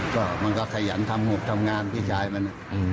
ก็มันก็ขยันทำหงกทำงานพี่ชายมัน